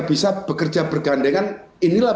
bisa bekerja bergandekan inilah